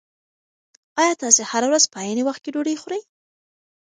ایا تاسي هره ورځ په عین وخت کې ډوډۍ خورئ؟